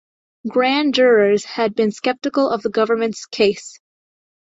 Grand jurors had been skeptical of the government's case.